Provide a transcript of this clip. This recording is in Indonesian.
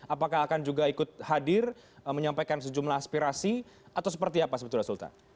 apakah akan juga ikut hadir menyampaikan sejumlah aspirasi atau seperti apa sebetulnya sultan